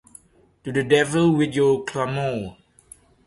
To the devil with your clamour!